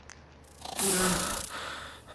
Urandi